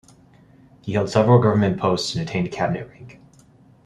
He held several government posts and attained Cabinet rank.